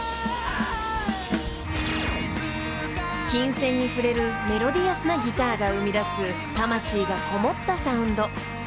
［琴線に触れるメロディアスなギターが生みだす魂がこもったサウンド。